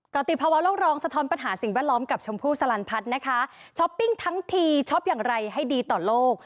กรติภาวะโลกรองสะท้อนปัญหาสิ่งแวดล้อมกับชมพู่สลันพัฒน์นะคะช้อปปิ้งทั้งทีช็อปอย่างไรให้ดีต่อโลก